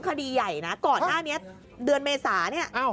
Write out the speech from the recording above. คดีใหญ่นะก่อนหน้านี้เดือนเมษาเนี่ย